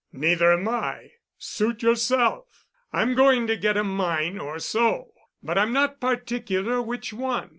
Neither am I. Suit yourself. I'm going to get a mine or so. But I'm not particular which one.